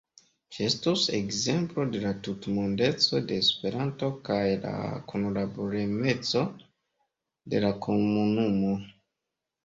Ĝi estus ekzemplo de la tutmondeco de Esperanto kaj la kunlaboremeco de la komunumo.